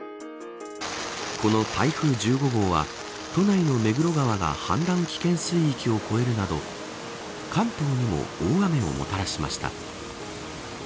この台風１５号は都内の目黒川が氾濫危険水域を超えるなど関東にも大雨をもたらしました。